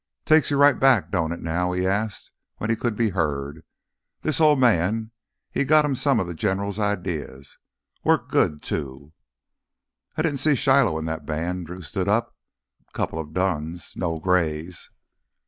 "Takes you right back, don't it now?" he asked when he could be heard. "Th' Old Man, he's got him some of th' Gineral's idears—work good, too!" "I didn't see Shiloh in that band." Drew stood up. "Couple of duns ... no grays."